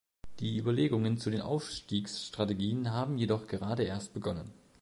Die Überlegungen zu den Ausstiegsstrategien haben jedoch gerade erst begonnen.